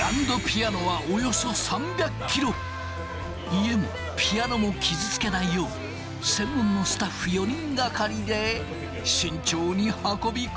家もピアノも傷つけないよう専門のスタッフ４人がかりで慎重に運び込まれる。